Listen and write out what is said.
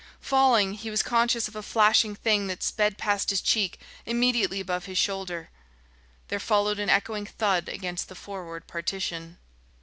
Falling, he was conscious of a flashing thing that sped past his cheek, immediately above his shoulder. There followed an echoing thud against the forward partition.